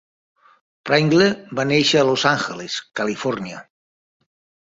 Pringle va néixer a Los Angeles, Califòrnia.